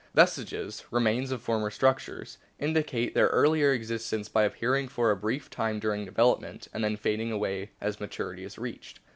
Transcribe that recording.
Vestiges, remains of former structures, indicate their earlier existence by appearing for a brief time during development, and then fading away as maturity is reached.